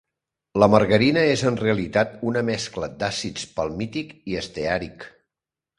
La margarina és en realitat una mescla d'àcids palmític i esteàric.